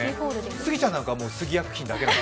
スギちゃんなんかはスギ薬品だけ？